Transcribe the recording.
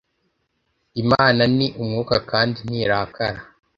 imana ni umwuka kandi ntirakara